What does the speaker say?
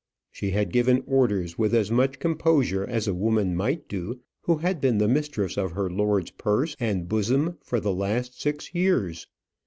She had given orders with as much composure as a woman might do who had been the mistress of her lord's purse and bosom for the last six years.